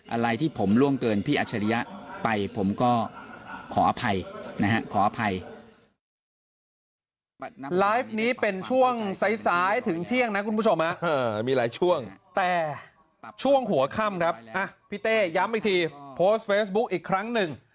อะไรที่ผมล่วงเกินพี่อัจฉริยะไปผมก็ขออภัยนะฮะขออภัย